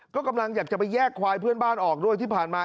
ก็กำลังอยากจะไปแยกควายเพื่อนบ้านออกด้วยที่ผ่านมา